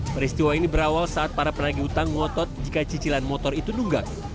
peristiwa ini berawal saat para penagi hutang ngotot jika cicilan motor itu dunggang